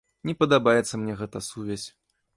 Не падабаецца мне гэта сувязь.